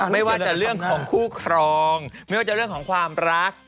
ไม่ว่าจะเรื่องของคู่ครองไม่ว่าจะเรื่องของความรัก